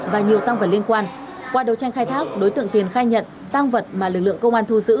và nhiều tăng vật liên quan qua đấu tranh khai thác đối tượng tiền khai nhận tăng vật mà lực lượng công an thu giữ